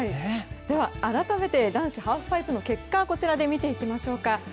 では、改めて男子ハーフパイプの結果こちらで見ていきましょう。